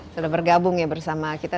sudah bergabung ya bersama kita